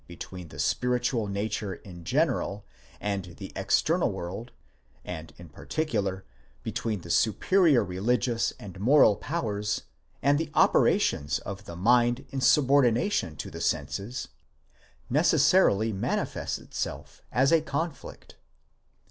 between the spiritual nature in general and the external world, and, in par ticular, between the superior religious and moral powers, and the operations of the mind in subordination to the senses, necessarily manifests itself as a conflict.